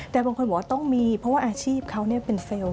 แต่บางคนบอกว่าต้องมีเพราะว่าอาชีพเขาเป็นเฟลล์